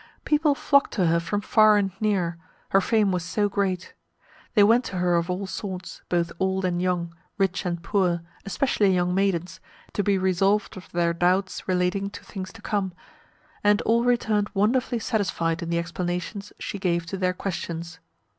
People flocked to her from far and near, her fame was so great. They went to her of all sorts, both old and young, rich and poor, especially young maidens, to be resolved of their doubts relating to things to come; and all returned wonderfully satisfied in the explanations she gave to their questions."